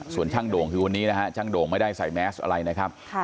ส่วนช่างโด่งคือวันนี้นะฮะช่างโด่งไม่ได้ใส่แมสอะไรนะครับ